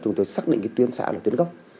chúng tôi xác định tuyến xã là tuyến gốc